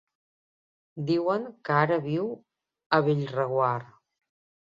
Diuen que ara viu a Bellreguard.